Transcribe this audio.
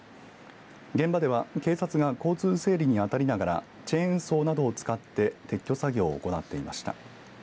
現場では警察が交通整理に当たりながらチェーンソーなどを使って撤去作業を行っていました。